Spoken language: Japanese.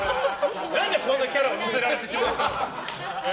何でこんなキャラをのせられてしまったのか。